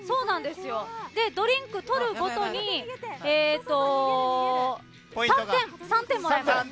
ドリンク取るごとに３点もらえます。